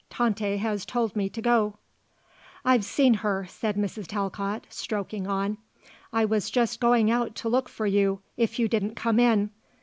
Tante has told me to go." "I've seen her," said Mrs. Talcott, stroking on. "I was just going out to look for you if you didn't come in.